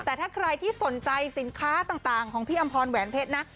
แต่ถ้าใครที่สนใจสินค้าต่างของพี่อำพรแหวนเพชรนะ